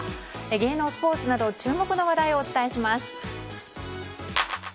芸能、スポーツなど注目の話題をお伝えします。